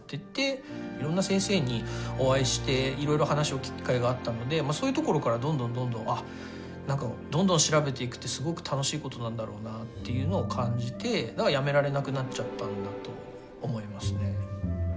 いろんな先生にお会いしていろいろ話を聞く機会があったのでそういうところからどんどんどんどんあっ何かどんどん調べていくってすごく楽しいことなんだろうなっていうのを感じてやめられなくなっちゃったんだと思いますね。